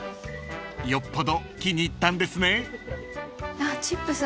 ［よっぽど気に入ったんですね］